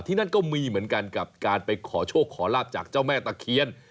นั่นก็มีเหมือนกันกับการไปขอโชคขอลาบจากเจ้าแม่ตะเคียน